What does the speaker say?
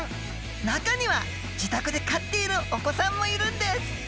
中には自宅で飼っているお子さんもいるんです